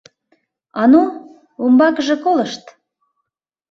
А ну, умбакыже колышт.